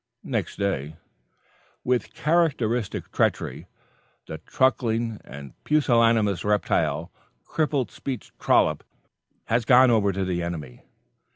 Next day: "With characteristic treachery, the truckling and pusillanimous reptile, Crippled Speech Trollop, has gone over to the enemy.